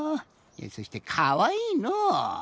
そしてかわいいのう。